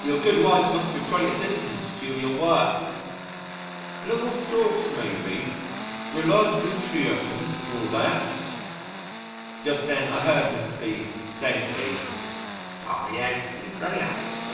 "Your good wife must be of great assistance to you in your work." "Little stalks maybe, but a large juishy appull for all that." Just then I heard Mrs. B saying to E , "Aw yes, he's very active for 76.